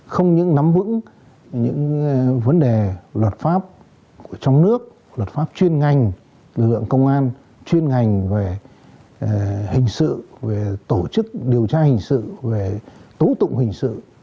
không những nắm vững những vấn đề luật pháp trong nước luật pháp chuyên ngành lực lượng công an chuyên ngành về hình sự về tổ chức điều tra hình sự về tố tụng hình sự